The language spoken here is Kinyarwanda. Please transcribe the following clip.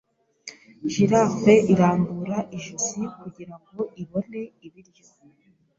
Giraffe irambura ijosi kugirango ibone ibiryo.